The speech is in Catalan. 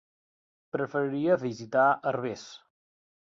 Preferiria visitar Herbers.